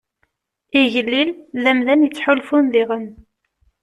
Igellil d amdan yettḥulfun diɣen.